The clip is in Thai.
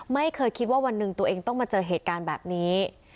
ไม่เคยคิดว่าวันหนึ่งตัวเองต้องมาเจอเหตุการณ์แบบนี้